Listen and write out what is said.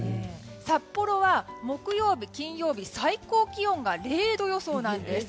札幌は木曜日、金曜日最高気温が０度予想なんです。